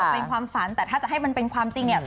เป็นความฝันแต่ถ้าจะให้มันเป็นความจริงเนี่ย